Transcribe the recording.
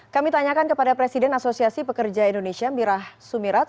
kami tanyakan kepada presiden asosiasi pekerja indonesia mirah sumirat